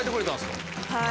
はい。